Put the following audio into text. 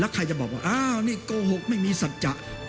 แล้วใครจะบอกว่าเก้าหกไม่มีสัชญะ